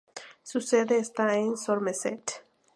Su sede está en Somerset.